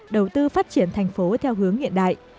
đầu tư phát triển thành phố theo hướng hiện đại